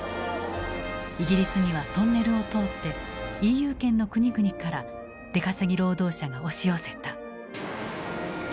イギリスにはトンネルを通ってＥＵ圏の国々から出稼ぎ労働者が押し寄せた。